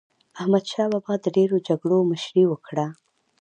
احمدشاه بابا د ډېرو جګړو مشري وکړه.